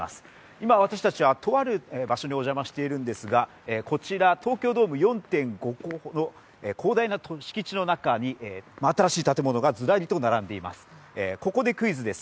今、私たちは、とある場所にお邪魔しているんですがこちら、東京ドーム４．５個分の広大な敷地の中にはいはい。